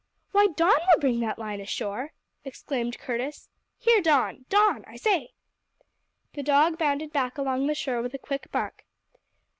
"Why, Don will bring that line ashore!" exclaimed Curtis. "Here, Don! Don, I say!" The dog bounded back along the shore with a quick bark.